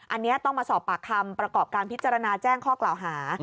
อันนี้ต้องมาสอบปากคำประกอบการพิจารณาแจ้งข้อกล่าวหา